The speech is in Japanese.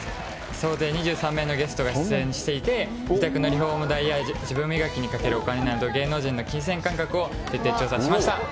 総勢２３名のゲストが出演していて、自宅のリフォーム代や、自分磨きにかけるお金など、芸能人の金銭感覚を徹底調査しました。